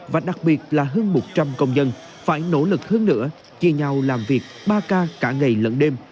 và đặc biệt là hơn một trăm linh công nhân phải nỗ lực hơn nữa chia nhau làm việc ba k cả ngày lẫn đêm